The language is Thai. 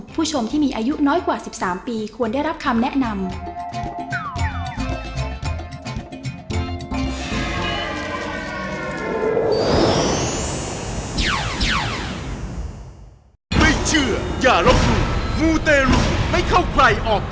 ผู้ชมที่มีอายุน้อยกว่า๑๓ปีควรได้รับคำแนะนำ